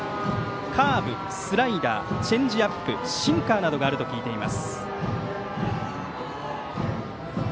カーブ、スライダーチェンジアップ、シンカーなどがあると聞いています。